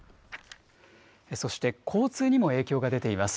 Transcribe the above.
そして交通にも影響が出ています。